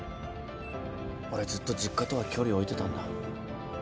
俺ずっと実家とは距離置いてたんだ。